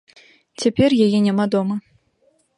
Цяпер яе няма дома.